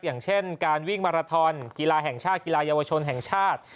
อย่างเช่นการวิ่งมาราทอนกีฬาแห่งชาติกีฬาเยาวชนแห่งชาติ